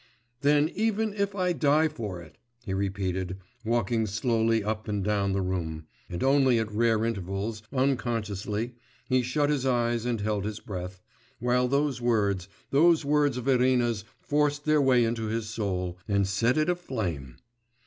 'Then even if I die for it!' he repeated, walking slowly up and down the room, and only at rare intervals, unconsciously, he shut his eyes and held his breath, while those words, those words of Irina's forced their way into his soul, and set it aflame.